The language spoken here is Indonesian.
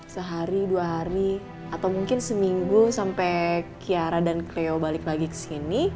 sehari dua hari atau mungkin seminggu sampai kiara dan cleo balik lagi ke sini